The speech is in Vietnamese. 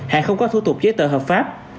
hàng không có thu thục giới tờ hợp pháp